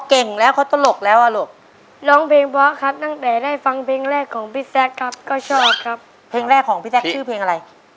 เพลงแรกของพี่แซคชื่อเพลงอะไร